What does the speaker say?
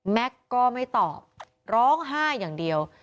ก็ไม่ตอบร้องไห้อย่างเดียว